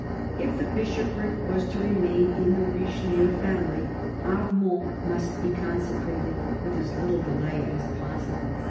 If the bishopric was to remain in the Richelieu family, Armand must be consecrated with as little delay as possible.